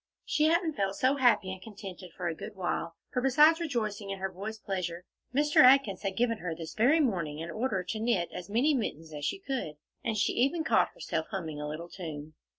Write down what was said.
She hadn't felt so happy and contented for a good while, for besides rejoicing in her boys' pleasure, Mr. Atkins had given her this very morning an order to knit as many mittens as she could, and she even caught herself humming a little tune.